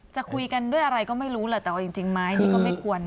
จะคุยกันด้วยอะไรก็ไม่รู้แต่ว่าจริงไม่ควรนะ